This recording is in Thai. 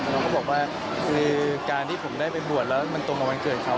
เขาก็บอกว่าคือการที่ผมได้ไปบวชแล้วมันตรงกับวันเกิดเขา